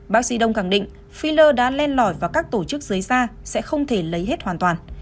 bác sĩ đông khẳng định filler đã len lỏi và các tổ chức dưới xa sẽ không thể lấy hết hoàn toàn